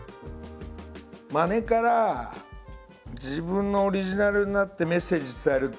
まねから自分のオリジナルになってメッセージ伝えるっていうさ